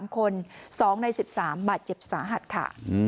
๓คน๒ใน๑๓บาดเจ็บสาหัสค่ะ